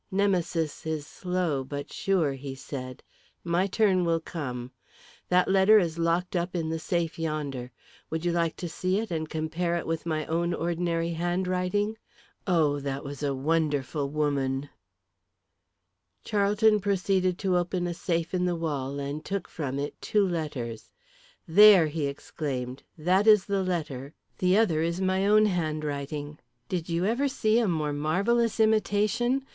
"Nemesis is slow but sure," he said. "My turn will come. That letter is locked up in the safe yonder. Would you like to see it and compare it with my own ordinary handwriting? Oh, that was a wonderful woman!" Charlton proceeded to open a safe in the wall and took from it two letters. "There," he exclaimed. "That is the letter, the other sheet is my own handwriting. Did you ever see a more marvellous imitation?